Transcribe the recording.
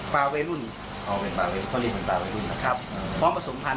ปลาเวลุ่นครับปลาเวลุ่นครับปลาเวลุ่นครับปลาเวลุ่นครับ